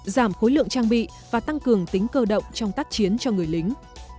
giảm khối lượng trang bị và tăng cường tính cơ động trong tác chiến cho người lính